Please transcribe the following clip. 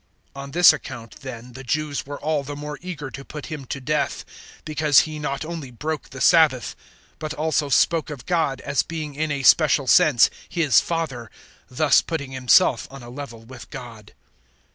005:018 On this account then the Jews were all the more eager to put Him to death because He not only broke the Sabbath, but also spoke of God as being in a special sense His Father, thus putting Himself on a level with God.